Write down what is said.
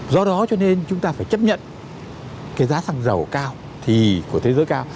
do đó cho nên chúng ta phải chấp nhận cái giá răng dầu cao của thế giới cao